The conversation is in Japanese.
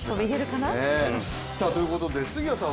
ということで、杉谷さん